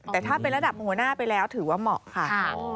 แต่ถ้าเป็นระดับหัวหน้าไปแล้วถือว่าเหมาะค่ะ